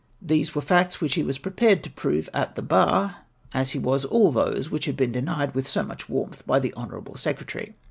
These were facts which he was prepared to prove at the bar, as he was all those which had been denied with so much warmth by the honourable se cretary.